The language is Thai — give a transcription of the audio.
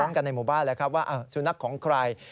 กันในหมู่บ้านแล้วครับว่าสุนัขของใคร